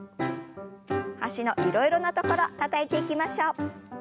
脚のいろいろな所たたいていきましょう。